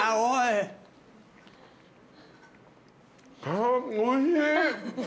あおいしい。